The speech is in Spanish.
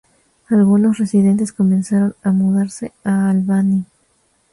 Algunos residentes comenzaron a mudarse a Albany.